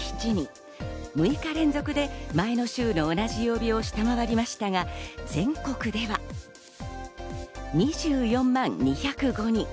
６日連続で前の週の同じ曜日を下回りましたが、全国では２４万２０５人。